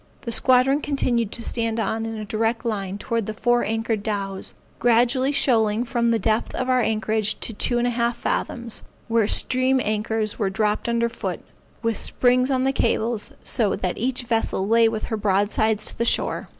The squadron continued to stand on in a direct line towards the four anchored dows, gradually shoaling from the depth of our anchorage to two and a half fathoms, where stream anchors were dropped under foot, with springs on the cables, so that each vessel lay with her broadside to the shore.